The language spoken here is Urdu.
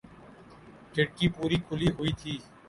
کھڑکی پوری کھلی ہوئی تھی